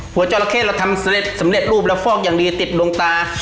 หัวจอละแค่เราทำสำเร็จรูปแล้วฟอกอย่างดีติดลงตา